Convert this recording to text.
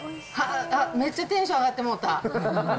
めっちゃテンション上がってもうた。